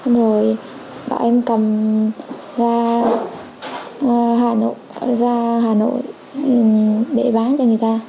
người ta bảo là sẽ chuyển cọc cho em rồi bảo em cầm ra hà nội để bán cho người ta